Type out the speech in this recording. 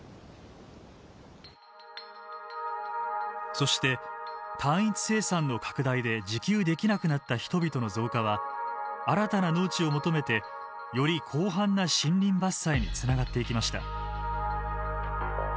そして単一生産の拡大で自給できなくなった人々の増加は新たな農地を求めてより広範な森林伐採につながっていきました。